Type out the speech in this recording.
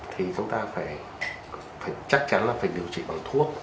thì chúng ta phải chắc chắn là phải điều trị bằng thuốc